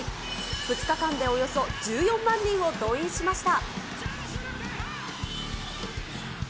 ２日間でおよそ１４万人を動員しました。